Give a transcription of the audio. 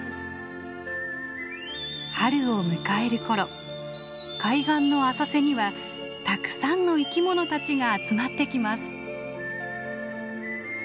春を迎える頃海岸の浅瀬にはたくさんの生きものたちが集まってきます。